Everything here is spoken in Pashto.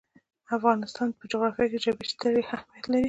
د افغانستان په جغرافیه کې ژبې ستر اهمیت لري.